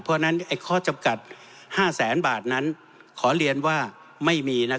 เพราะฉะนั้นข้อจำกัด๕๐๐๐๐๐บาทขอเลียนว่าไม่มี